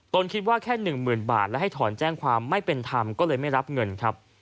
คิดว่าแค่๑๐๐๐บาทและให้ถอนแจ้งความไม่เป็นธรรมก็เลยไม่รับเงินครับ